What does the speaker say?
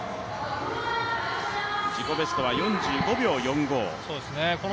自己ベストは４５秒４５。